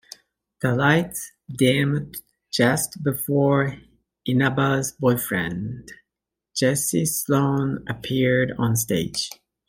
The lights dimmed just before Inaba's boyfriend, Jesse Sloan, appeared on stage.